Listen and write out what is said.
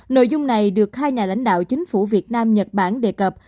nội dung này được hai nhà lãnh đạo chính phủ việt nam nhật bản đề cập